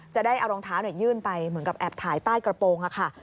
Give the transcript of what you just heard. จะได้เอารองเท้ายื่นไปเหมือนกับแอบถ่ายใต้กระโปรงค่ะ